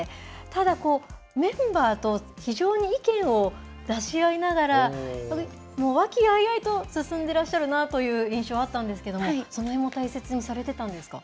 ただこう、メンバーと非常に意見を出し合いながら、和気あいあいと進んでらっしゃるなという印象があったんですけども、そのへんも大切にされてたんですか？